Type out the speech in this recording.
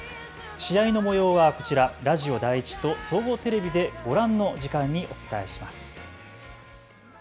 試合のもようはこちらラジオ第１と総合テレビでご覧の時間にお伝えします。